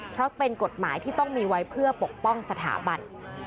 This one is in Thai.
เพราะเป็นกฎหมายที่ต้องมีไว้เพื่อปกป้องสถาบัน